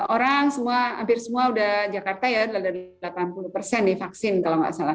orang hampir semua sudah jakarta delapan puluh persen vaksin kalau tidak salah